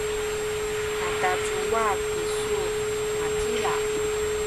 natacuwa kisu nacila?